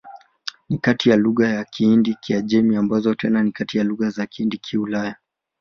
Ni kati ya lugha za Kihindi-Kiajemi, ambazo tena ni kati ya lugha za Kihindi-Kiulaya.